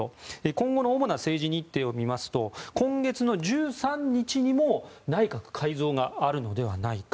今後の主な政治日程を見ますと今月の１３日にも内閣改造があるのではないか。